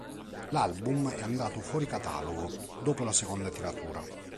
L'album è andato fuori catalogo dopo la seconda tiratura.